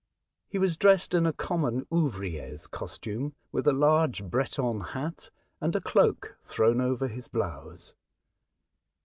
He was dressed in a common ouvrier^s cos tume, with a large Breton hat and a cloak thrown over his blouse.